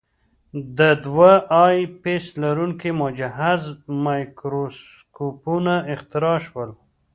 د دوه آی پیس لرونکي مجهز مایکروسکوپونه اختراع شول.